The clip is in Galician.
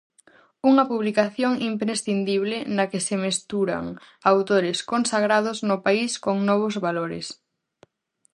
Unha publicación imprescindible na que se mesturan autores consagrados no país con novos valores.